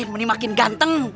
menik makin ganteng